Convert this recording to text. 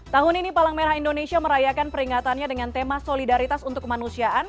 tahun ini palang merah indonesia merayakan peringatannya dengan tema solidaritas untuk kemanusiaan